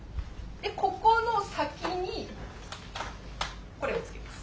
ここの先にこれをつけます。